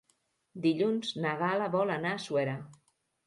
Dilluns na Gal·la vol anar a Suera.